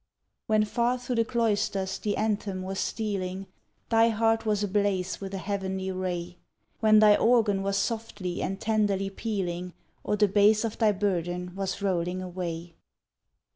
When far through the cloisters the anthem was stealing, Thy heart was ablaze with a heavenly ray When thy organ was softly and tenderly pealing, Or the bass of thy bourdon was rolling away.